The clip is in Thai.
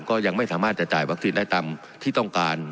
ก็ยังไม่สามารถจะจ่ายวัคซีนได้ตามที่ต้องการ